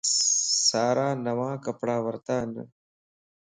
سارا نيا ڪپڙا ورتان